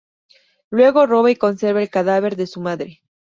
Luego roba y conserva el cadáver de su madre.